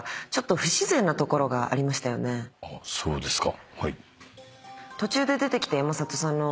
そうですか？